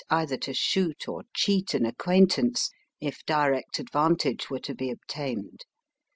91 either to shoot or cheat an acquaintance if direct advantage were to be obtained.